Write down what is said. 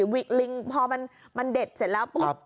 วิกลิงพอมันเด็ดเสร็จแล้วปุ๊บ